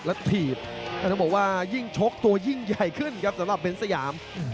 แล้วถีบต้องบอกว่ายิ่งชกตัวยิ่งใหญ่ขึ้นครับสำหรับเบ้นสยาม